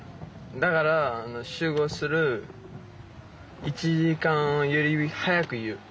だから集合する１時間より早く言う。